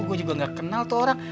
gue juga gak kenal tuh orang